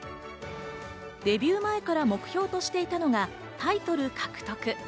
デビュー前から目標としていたのがタイトル獲得。